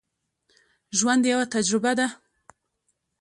ژوند یوه تجربه ده